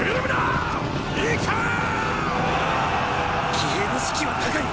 騎兵の士気は高い！